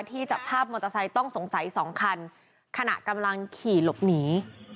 จับภาพมอเตอร์ไซค์ต้องสงสัยสองคันขณะกำลังขี่หลบหนี